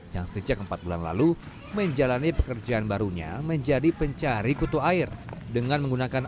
yang sejak empat bulan lalu menjalani pekerjaan barunya menjadi pencari kutu air dengan menggunakan